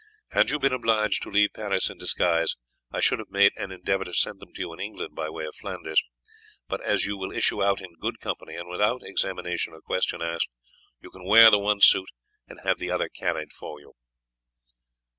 Had you been obliged to leave Paris in disguise I should have made an endeavour to send them to you in England by way of Flanders; but as you will issue out in good company, and without examination or question asked, you can wear the one suit and have the other carried for you."